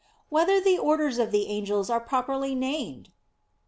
5] Whether the Orders of the Angels Are Properly Named?